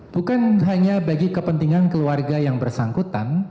bukan hanya bagi kepentingan keluarga yang bersangkutan